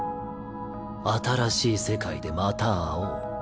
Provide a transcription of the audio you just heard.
新しい世界でまた会おう。